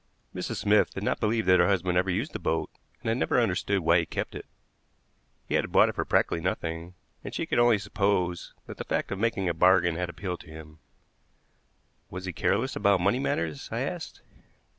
Mrs. Smith did not believe that her husband ever used the boat, and had never understood why he kept it. He had bought it for practically nothing, and she could only suppose that the fact of making a bargain had appealed to him. "Was he careless about money matters?" I asked.